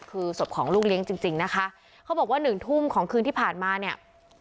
คือศพของลูกเลี้ยงจริงจริงนะคะเขาบอกว่าหนึ่งทุ่มของคืนที่ผ่านมาเนี่ย